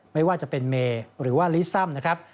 ไม่ว่าจะเป็นเมย์หรือว่าลิซัมนะครับ